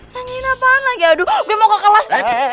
nanyain apaan lagi aduh gue mau ke kelas